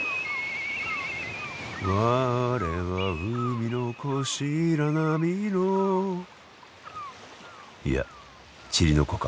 「我は海の子白波の」いやチリの子か。